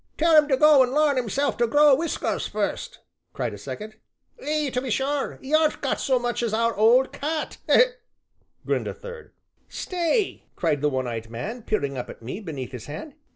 "Tell 'un to go an' larn hisself to grow whiskers fust!" cried a second. "Ay, to be sure, 'e aren't got so much as our old cat!" grinned a third. "Stay!" cried the one eyed man, peering up at me beneath his hand.